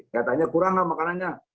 nyatanya kuranglah makanannya